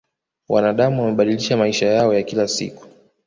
wanadam wamebadilisha maisha yao ya kila siku